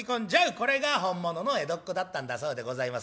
これが本物の江戸っ子だったんだそうでございます。